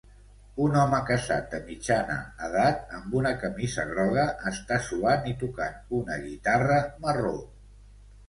Un home casat de mitjana edat amb una camisa groga està suant i tocant una guitarra marró